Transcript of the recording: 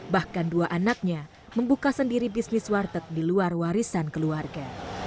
bahkan dua anaknya membuka sendiri bisnis warteg di luar warisan keluarga